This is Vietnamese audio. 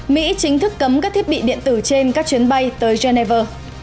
mỹ chính thức cấm các thiết bị điện tử trên các chuyến bay tới geneva